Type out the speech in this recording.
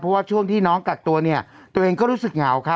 เพราะว่าช่วงที่น้องกักตัวเนี่ยตัวเองก็รู้สึกเหงาครับ